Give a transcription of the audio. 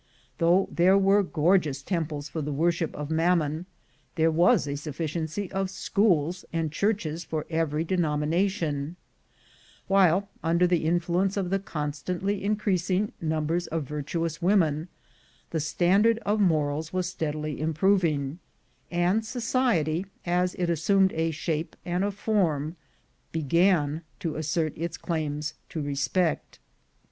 Though there were gorgeous temples for the worship of mammon, there was a sufficiency of schools and churches for every denomination; while, under the influence of the constantly increasing numbers of virtuous women, the standard of morals was steadily improving, and society, as it assumed a shape and a form, began to assert its claims to respect.